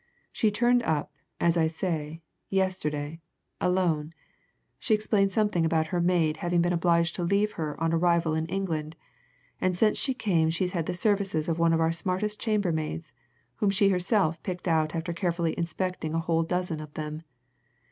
She turned up, as I say, yesterday, alone she explained something about her maid having been obliged to leave her on arrival in England, and since she came she's had the services of one of our smartest chambermaids, whom she herself picked out after carefully inspecting a whole dozen of them.